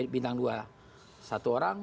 bintang dua satu orang